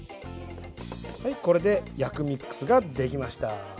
はいこれで薬味ックスができました。